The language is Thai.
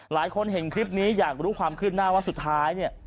หลายคนเห็นคลิปนี้อยากรู้ความขึ้นหน้าว่าสุดท้ายเนี่ย